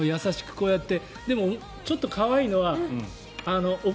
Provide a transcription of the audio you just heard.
こうやって。